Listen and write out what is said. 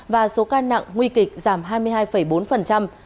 và số ca nặng nguy kịch giảm hai mươi hai bốn